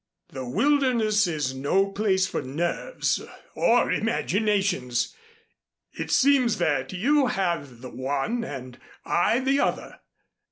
"The wilderness is no place for nerves or imaginations. It seems that you have the one and I the other.